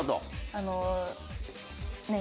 あのねえ。